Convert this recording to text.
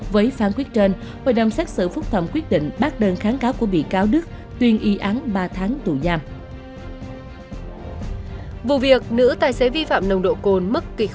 với phán quyết trên hội đồng xét xử phúc thẩm quyết định bác đơn kháng cáo của bị cáo đức tuyên y án ba tháng tù giam